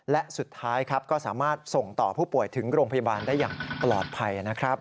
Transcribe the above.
และสุดท้ายครับก็สามารถส่งต่อผู้ป่วยถึงโรงพยาบาลได้อย่างปลอดภัยนะครับ